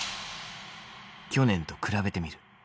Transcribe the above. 去年と比べてみる。